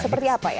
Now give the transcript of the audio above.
seperti apa ya